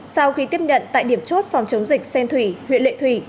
sau khi tiếp nhận tại điểm chốt phòng chống dịch xen thủy huyện lệ thủy